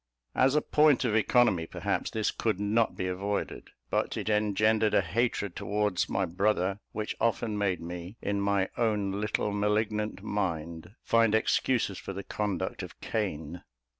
As a point of economy, perhaps, this could not be avoided; but it engendered a hatred towards my brother which often made me, in my own little malignant mind, find excuses for the conduct of Cain.